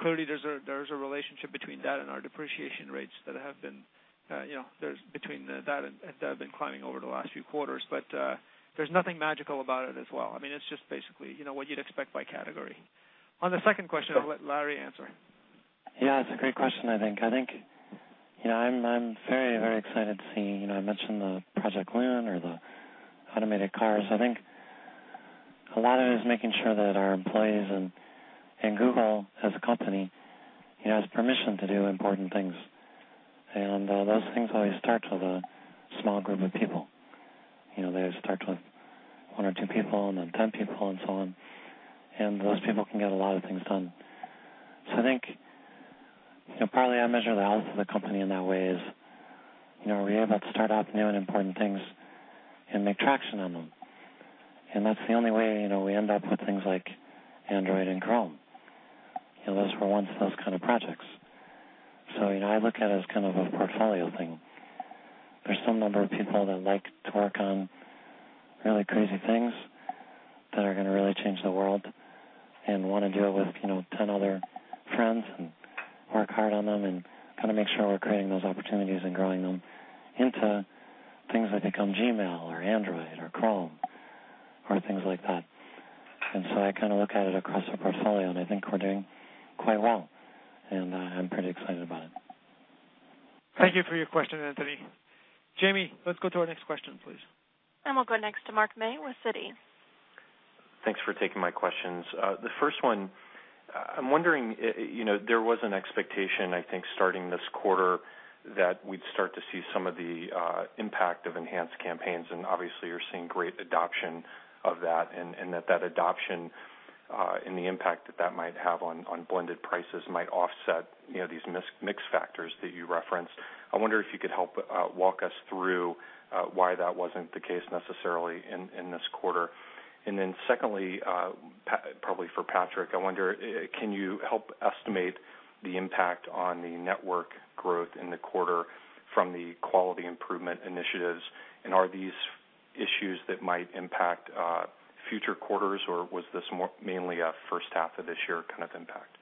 clearly, there's a relationship between that and our depreciation rates that have been climbing over the last few quarters. But there's nothing magical about it as well. I mean, it's just basically what you'd expect by category. On the second question, I'll let Larry answer. Yeah, it's a great question, I think. I think I'm very, very excited to see. I mentioned the Project Loon or the automated cars. I think a lot of it is making sure that our employees and Google as a company has permission to do important things. Those things always start with a small group of people. They start with one or two people and then 10 people and so on. Those people can get a lot of things done. I think probably I measure the health of the company in that way, as we're able to start off new and important things and make traction on them. That's the only way we end up with things like Android and Chrome. Those were once those kind of projects. I look at it as kind of a portfolio thing. There's some number of people that like to work on really crazy things that are going to really change the world and want to do it with 10 other friends and work hard on them and kind of make sure we're creating those opportunities and growing them into things that become Gmail or Android or Chrome or things like that. And so I kind of look at it across the portfolio, and I think we're doing quite well. And I'm pretty excited about it. Thank you for your question, Anthony. Jamie, let's go to our next question, please. We'll go next to Mark May with Citi. Thanks for taking my questions. The first one, I'm wondering, there was an expectation, I think, starting this quarter that we'd start to see some of the impact of Enhanced Campaigns. And obviously, you're seeing great adoption of that and that adoption and the impact that that might have on blended prices might offset these mixed factors that you referenced. I wonder if you could help walk us through why that wasn't the case necessarily in this quarter. And then secondly, probably for Patrick, I wonder, can you help estimate the impact on the network growth in the quarter from the quality improvement initiatives? And are these issues that might impact future quarters, or was this mainly a first half of this year kind of impact?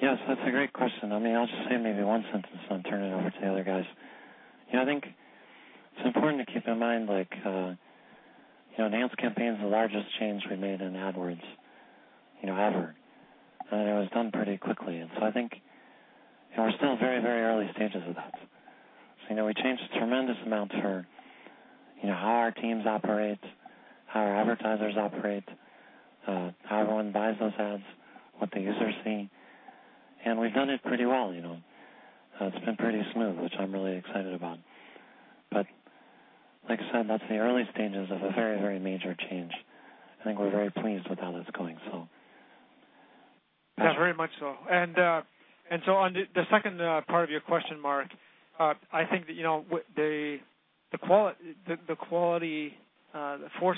Yes, that's a great question. I mean, I'll just say maybe one sentence and turn it over to the other guys. Yeah, I think it's important to keep in mind like Enhanced Campaigns are the largest change we made in AdWords ever. And it was done pretty quickly. And so I think we're still in very, very early stages of that. So we changed a tremendous amount for how our teams operate, how our advertisers operate, how everyone buys those ads, what the users see. And we've done it pretty well. It's been pretty smooth, which I'm really excited about. But like I said, that's the early stages of a very, very major change. I think we're very pleased with how that's going, so. Yeah, very much so, and so on the second part of your question, Mark, I think that the focus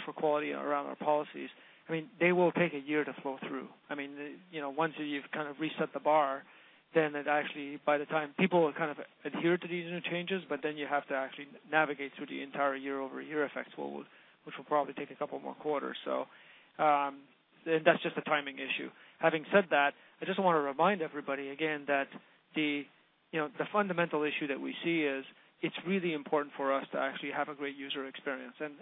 for quality around our policies, I mean, they will take a year to flow through. I mean, once you've kind of reset the bar, then it actually, by the time people will kind of adhere to these new changes, but then you have to actually navigate through the entire year-over-year effects, which will probably take a couple more quarters, so that's just a timing issue. Having said that, I just want to remind everybody again that the fundamental issue that we see is, it's really important for us to actually have a great user experience. And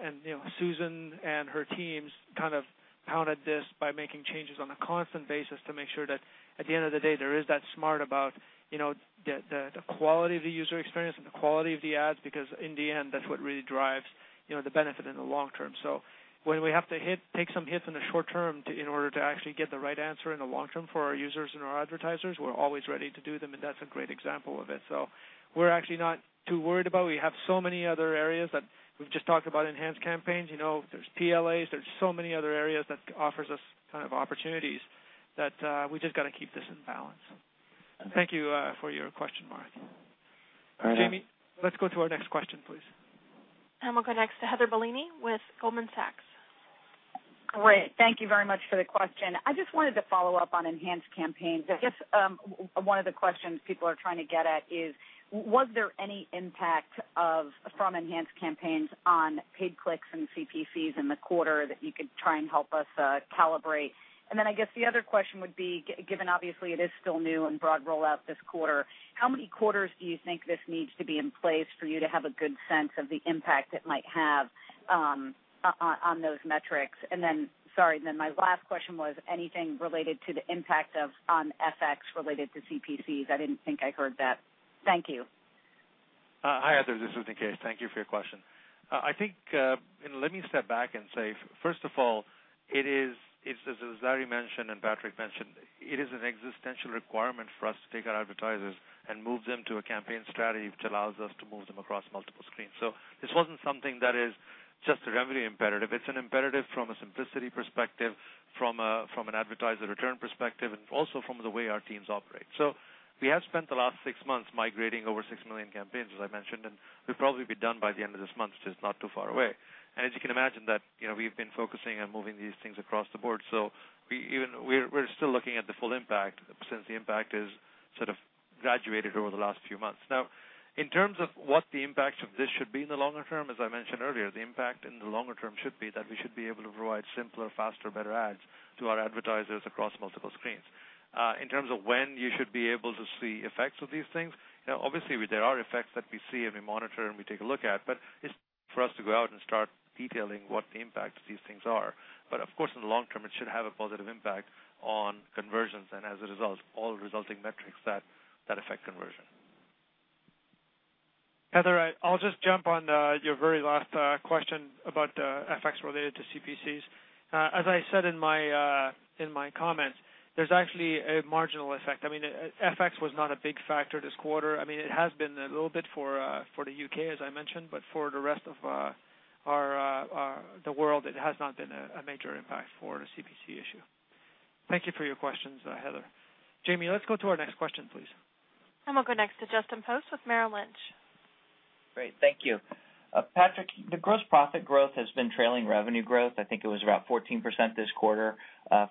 Susan and her teams kind of pounded this by making changes on a constant basis to make sure that at the end of the day, there is that smart about the quality of the user experience and the quality of the ads because in the end, that's what really drives the benefit in the long term. So when we have to take some hits in the short term in order to actually get the right answer in the long term for our users and our advertisers, we're always ready to do them, and that's a great example of it. So we're actually not too worried about it. We have so many other areas that we've just talked about Enhanced Campaigns. There's PLAs. There's so many other areas that offers us kind of opportunities that we just got to keep this in balance. Thank you for your question, Mark. All right. Jamie, let's go to our next question, please. We'll go next to Heather Bellini with Goldman Sachs. Great. Thank you very much for the question. I just wanted to follow up on Enhanced Campaigns. I guess one of the questions people are trying to get at is, was there any impact from Enhanced Campaigns on paid clicks and CPCs in the quarter that you could try and help us calibrate? And then I guess the other question would be, given obviously it is still new and broad rollout this quarter, how many quarters do you think this needs to be in place for you to have a good sense of the impact it might have on those metrics? And then, sorry, then my last question was anything related to the impact on FX related to CPCs? I didn't think I heard that. Thank you. Hi, Heather. This is Nikesh. Thank you for your question. I think, and let me step back and say, first of all, it is, as Larry mentioned and Patrick mentioned, it is an existential requirement for us to take our advertisers and move them to a campaign strategy which allows us to move them across multiple screens. So this wasn't something that is just a revenue imperative. It's an imperative from a simplicity perspective, from an advertiser return perspective, and also from the way our teams operate. So we have spent the last six months migrating over six million campaigns, as I mentioned, and we'll probably be done by the end of this month, which is not too far away, and as you can imagine, we've been focusing on moving these things across the board. So we're still looking at the full impact since the impact has sort of graduated over the last few months. Now, in terms of what the impact of this should be in the longer term, as I mentioned earlier, the impact in the longer term should be that we should be able to provide simpler, faster, better ads to our advertisers across multiple screens. In terms of when you should be able to see effects of these things, obviously, there are effects that we see and we monitor and we take a look at, but it's for us to go out and start detailing what the impact of these things are. But of course, in the long term, it should have a positive impact on conversions and, as a result, all resulting metrics that affect conversion. Heather, I'll just jump on your very last question about FX related to CPCs. As I said in my comments, there's actually a marginal effect. I mean, FX was not a big factor this quarter. I mean, it has been a little bit for the UK, as I mentioned, but for the rest of the world, it has not been a major impact for the CPC issue. Thank you for your questions, Heather. Jamie, let's go to our next question, please. We'll go next to Justin Post with Merrill Lynch. Great. Thank you. Patrick, the gross profit growth has been trailing revenue growth. I think it was about 14% this quarter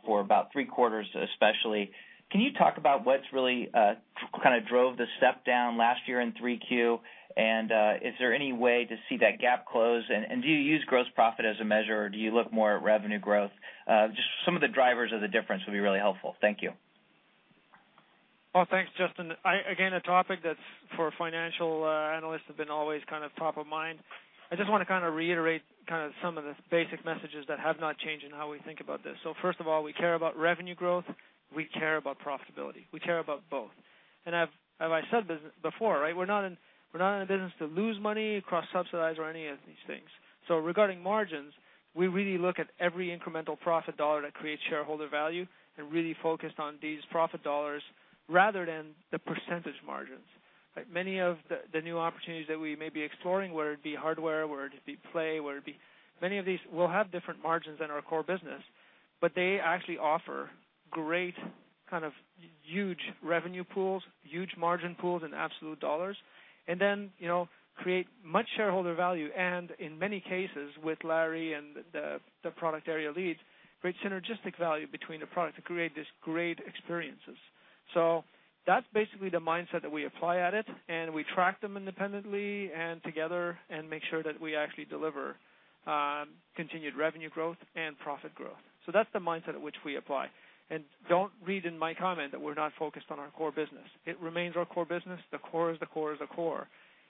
for about three quarters, especially. Can you talk about what really kind of drove the step down last year in 3Q? And is there any way to see that gap close? And do you use gross profit as a measure, or do you look more at revenue growth? Just some of the drivers of the difference would be really helpful. Thank you. Thanks, Justin. Again, a topic that for financial analysts has been always kind of top of mind. I just want to kind of reiterate kind of some of the basic messages that have not changed in how we think about this. So first of all, we care about revenue growth. We care about profitability. We care about both. And as I said before, right, we're not in a business to lose money, cross-subsidize, or any of these things. So regarding margins, we really look at every incremental profit dollar that creates shareholder value and really focus on these profit dollars rather than the percentage margins. Many of the new opportunities that we may be exploring, whether it be hardware, whether it be Play, whether it be many of these will have different margins than our core business, but they actually offer great kind of huge revenue pools, huge margin pools in absolute dollars, and then create much shareholder value. And in many cases, with Larry and the product area leads, create synergistic value between the product to create these great experiences. So that's basically the mindset that we apply at it, and we track them independently and together and make sure that we actually deliver continued revenue growth and profit growth. So that's the mindset at which we apply. And don't read in my comment that we're not focused on our core business. It remains our core business. The core is the core is the core.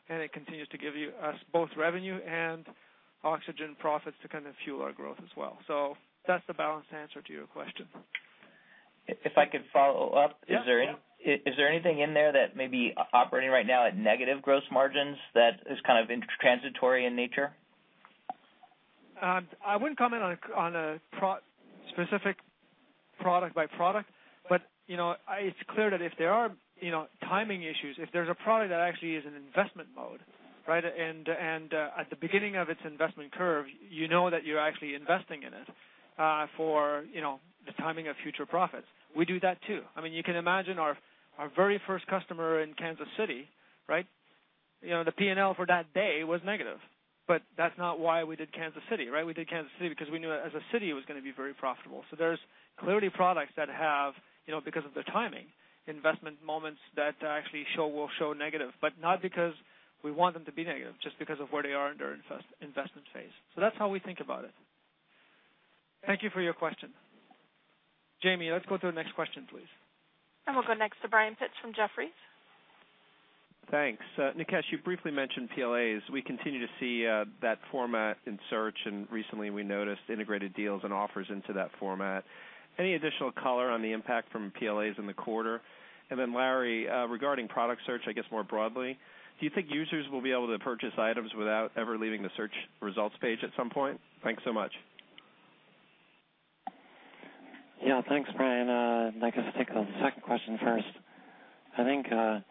It continues to give us both revenue and operating profits to kind of fuel our growth as well. That's the balanced answer to your question. If I could follow up, is there anything in there that may be operating right now at negative gross margins that is kind of transitory in nature? I wouldn't comment on a specific product by product, but it's clear that if there are timing issues, if there's a product that actually is in investment mode, right, and at the beginning of its investment curve, you know that you're actually investing in it for the timing of future profits. We do that too. I mean, you can imagine our very first customer in Kansas City, right? The P&L for that day was negative. But that's not why we did Kansas City, right? We did Kansas City because we knew as a city it was going to be very profitable. So there's clearly products that have, because of their timing, investment moments that actually will show negative, but not because we want them to be negative, just because of where they are in their investment phase. So that's how we think about it. Thank you for your question. Jamie, let's go to the next question, please. We'll go next to Brian Pitz from Jefferies. Thanks. Nikesh, you briefly mentioned PLAs. We continue to see that format in search, and recently we noticed integrated deals and offers into that format. Any additional color on the impact from PLAs in the quarter? And then Larry, regarding product search, I guess more broadly, do you think users will be able to purchase items without ever leaving the search results page at some point? Thanks so much. Yeah, thanks, Brian. I guess I'll take the second question first. I think the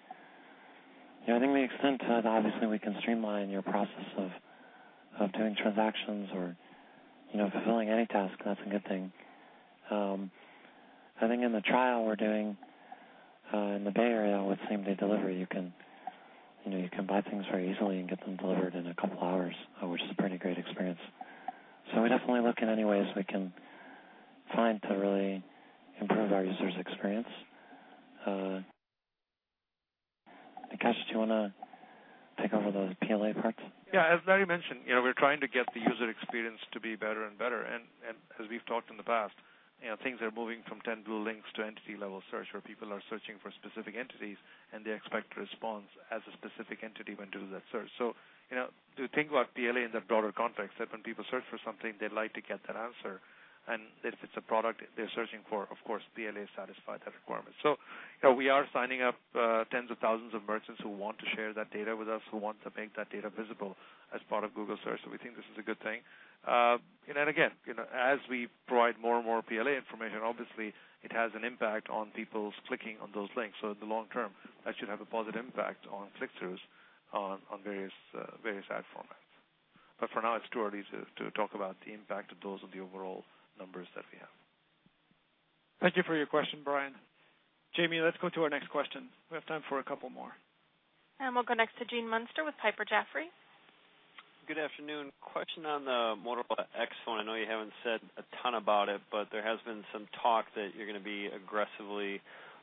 extent that obviously we can streamline your process of doing transactions or fulfilling any task, that's a good thing. I think in the trial we're doing in the Bay Area with same-day delivery, you can buy things very easily and get them delivered in a couple of hours, which is a pretty great experience. So we definitely look at any ways we can find to really improve our user's experience. Nikesh, do you want to take over the PLA part? Yeah. As Larry mentioned, we're trying to get the user experience to be better and better. And as we've talked in the past, things are moving from 10 blue links to entity-level search where people are searching for specific entities, and they expect a response as a specific entity when doing that search. So to think about PLA in that broader context that when people search for something, they'd like to get that answer. And if it's a product they're searching for, of course, PLAs satisfy that requirement. So we are signing up tens of thousands of merchants who want to share that data with us, who want to make that data visible as part of Google Search. So we think this is a good thing. And again, as we provide more and more PLA information, obviously, it has an impact on people's clicking on those links. So in the long term, that should have a positive impact on click-throughs on various ad formats. But for now, it's too early to talk about the impact of those on the overall numbers that we have. Thank you for your question, Brian. Jamie, let's go to our next question. We have time for a couple more. And we'll go next to Gene Munster with Piper Jaffray. Good afternoon. Question on the Motorola X phone. I know you haven't said a ton about it, but there has been some talk that you're going to be aggressively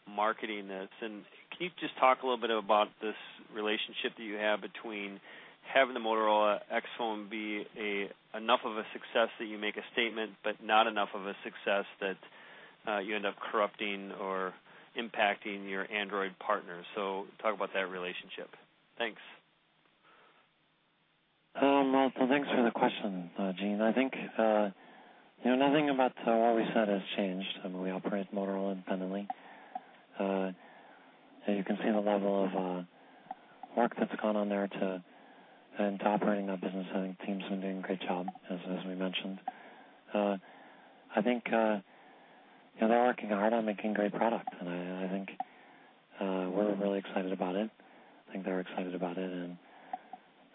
marketing this, and can you just talk a little bit about this relationship that you have between having the Motorola X phone be enough of a success that you make a statement, but not enough of a success that you end up corrupting or impacting your Android partners, so talk about that relationship. Thanks. Thanks for the question, Gene. I think nothing about what we said has changed. I mean, we operate Motorola independently. You can see the level of work that's gone on there to operating that business. I think teams have been doing a great job, as we mentioned. I think they're working hard on making a great product, and I think we're really excited about it. I think they're excited about it.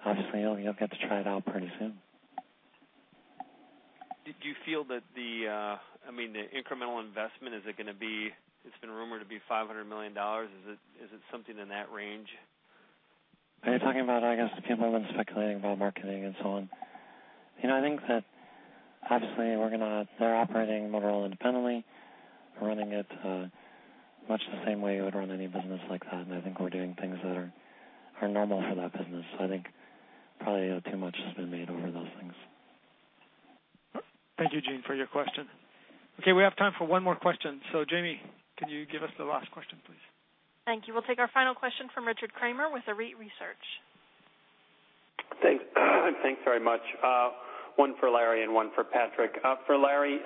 Obviously, you'll get to try it out pretty soon. Do you feel that the, I mean, the incremental investment, is it going to be, it's been rumored to be $500 million? Is it something in that range? Are you talking about, I guess, people have been speculating about marketing and so on? I think that obviously we're going to, they're operating Motorola independently. We're running it much the same way you would run any business like that. And I think we're doing things that are normal for that business. So I think probably too much has been made over those things. Thank you, Gene, for your question. Okay, we have time for one more question. So Jamie, can you give us the last question, please? Thank you. We'll take our final question from Richard Kramer with Arete Research. Thanks very much. One for Larry and one for Patrick. For Larry,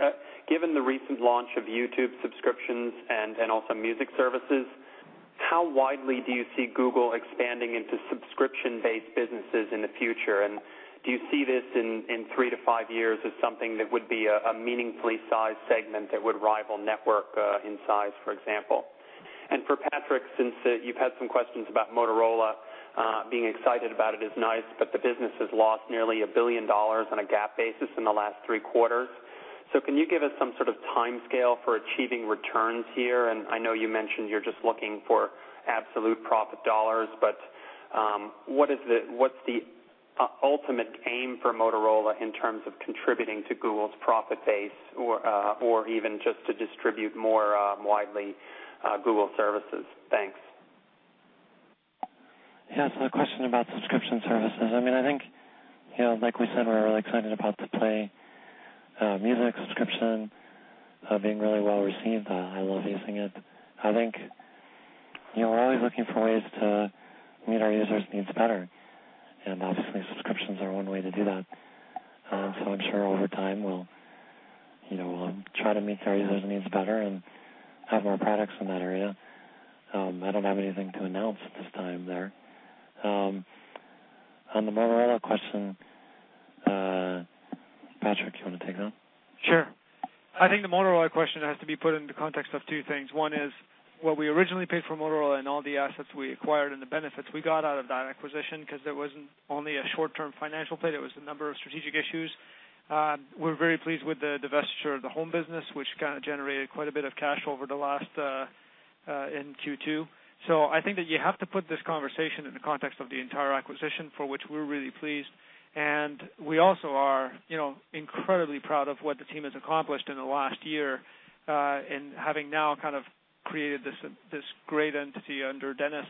given the recent launch of YouTube subscriptions and also music services, how widely do you see Google expanding into subscription-based businesses in the future? And do you see this in three to five years as something that would be a meaningfully sized segment that would rival network in size, for example? And for Patrick, since you've had some questions about Motorola, being excited about it is nice, but the business has lost nearly $1 billion on a GAAP basis in the last three quarters. So can you give us some sort of timescale for achieving returns here? And I know you mentioned you're just looking for absolute profit dollars, but what's the ultimate aim for Motorola in terms of contributing to Google's profit base or even just to distribute more widely Google services? Thanks. Yeah, so the question about subscription services. I mean, I think, like we said, we're really excited about the Play Music subscription being really well received. I love using it. I think we're always looking for ways to meet our users' needs better. And obviously, subscriptions are one way to do that. So I'm sure over time we'll try to meet our users' needs better and have more products in that area. I don't have anything to announce at this time there. On the Motorola question, Patrick, do you want to take that? Sure. I think the Motorola question has to be put into the context of two things. One is what we originally paid for Motorola and all the assets we acquired and the benefits we got out of that acquisition because it wasn't only a short-term financial play. It was a number of strategic issues. We're very pleased with the divestiture of the home business, which kind of generated quite a bit of cash over the last in Q2. So I think that you have to put this conversation in the context of the entire acquisition for which we're really pleased. And we also are incredibly proud of what the team has accomplished in the last year in having now kind of created this great entity under Dennis,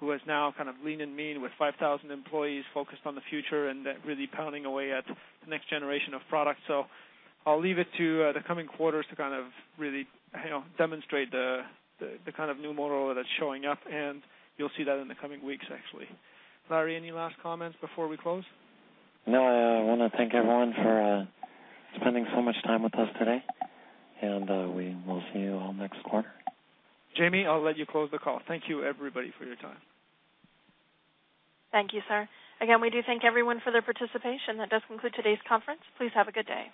who has now kind of lean and mean with 5,000 employees focused on the future and really pounding away at the next generation of products. So I'll leave it to the coming quarters to kind of really demonstrate the kind of new Motorola that's showing up. And you'll see that in the coming weeks, actually. Larry, any last comments before we close? No, I want to thank everyone for spending so much time with us today. And we will see you all next quarter. Jamie, I'll let you close the call. Thank you, everybody, for your time. Thank you, sir. Again, we do thank everyone for their participation. That does conclude today's conference. Please have a good day.